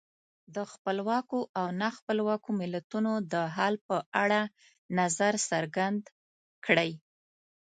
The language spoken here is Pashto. د خپلواکو او نا خپلواکو ملتونو د حال په اړه نظر څرګند کړئ.